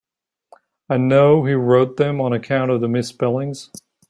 I know he wrote them on account of the misspellings.